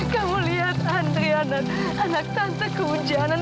kamu lihat andrya anak tante kemunjanan